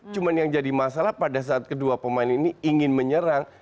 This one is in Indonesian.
cuma yang jadi masalah pada saat kedua pemain ini ingin menyerang